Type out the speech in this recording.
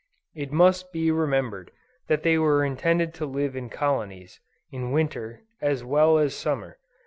It must be remembered that they were intended to live in colonies, in Winter, as well as Summer.